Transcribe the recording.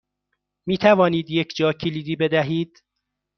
می توانید یک جاکلیدی بدهید؟